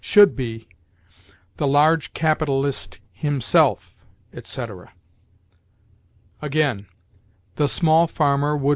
Should be, "The large capitalist ... himself," etc. Again: "The small farmer would